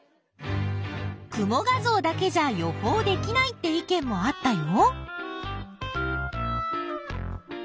雲画像だけじゃ予報できないって意見もあったよ。